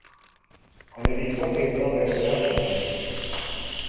Har ni visat Tindra lönnäsor ännu?